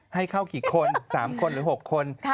ให้เข้ากี่คน๓คนหรือ๖คน